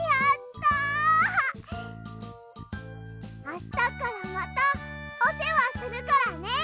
あしたからまたおせわするからね。